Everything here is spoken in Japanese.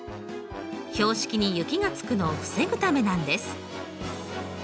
標識に雪がつくのを防ぐためなんです。